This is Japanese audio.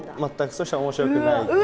そしたら面白くないって感じ。